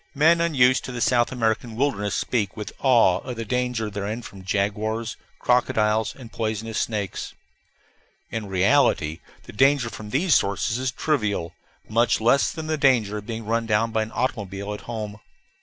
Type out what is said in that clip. Men unused to the South American wilderness speak with awe of the danger therein from jaguars, crocodiles, and poisonous snakes. In reality, the danger from these sources is trivial, much less than the danger of being run down by an automobile at home.